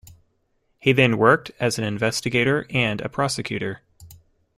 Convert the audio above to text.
He then worked as an investigator and a prosecutor.